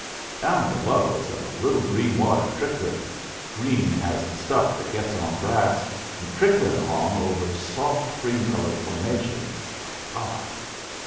"Down below is a little green water tricklin', green as the stuff that gets on brass, and tricklin' along over soft cream colored formation, like pie.